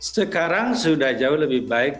sekarang sudah jauh lebih baik